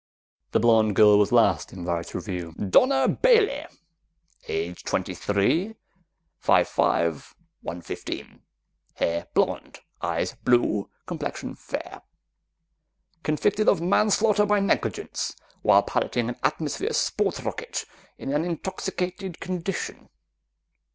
The blonde girl was last in Varret's review. "Donna Bailey, age twenty three, five five, one fifteen. Hair blonde, eyes blue, complexion fair. Convicted of manslaughter by negligence, while piloting an atmosphere sport rocket in an intoxicated condition.